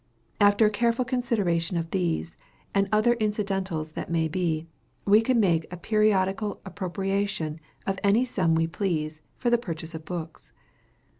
After a careful consideration of these, and other incidentals that may be, we can make a periodical appropriation of any sum we please, for the purchase of books.